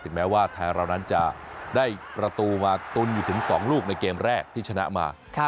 แม้ว่าไทยเรานั้นจะได้ประตูมาตุนอยู่ถึง๒ลูกในเกมแรกที่ชนะมา